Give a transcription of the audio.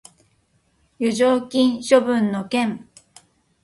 剰余金処分の件